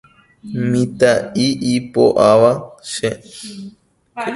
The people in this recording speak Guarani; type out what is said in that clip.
Mitã'i ipo'áva che